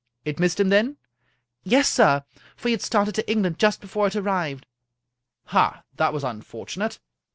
" It missed him, then ?"" Yes, sir, for he had started to England just before it arrived." " Ha I that was unfortunate.